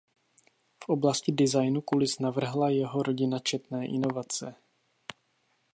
V oblasti designu kulis navrhla jeho rodina četné inovace.